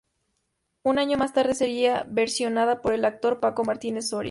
Un año más tarde sería versionada por el actor Paco Martínez Soria.